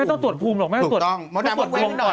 ไม่ต้องตรวจภูมิถูกต้องมองดาหมดไว้นิดหน่อย